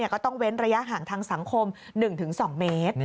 ก็ต้องเว้นระยะห่างทางสังคม๑๒เมตร